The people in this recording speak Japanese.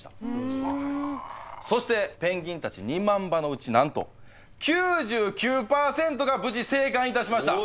そしてペンギンたち２万羽のうちなんと９９％が無事生還いたしました！